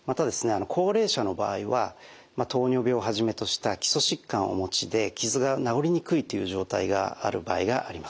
高齢者の場合は糖尿病をはじめとした基礎疾患をお持ちで傷が治りにくいという状態がある場合があります。